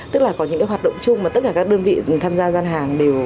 tức là có những hoạt động chung mà tất cả các đơn vị tham gia gian hàng